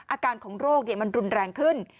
อาการของโรคมันรุนแรงขึ้น